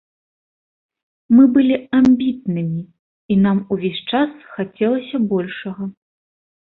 Мы былі амбітнымі, і нам увесь час хацелася большага.